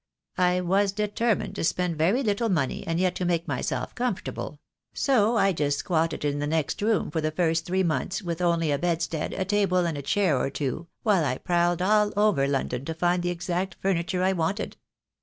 I was determined to spend very little money, and yet to make myself comfortable; so I just squatted in the next room for the first three months, with only a bedstead, a table, and a chair or two, while I prowled all over London to find the exact furniture I wanted.